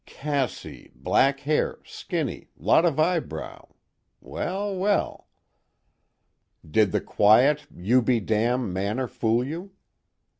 "Cassie black hair, skinny, lot of eyebrow. Well well." "Did the quiet, you be damn manner fool you?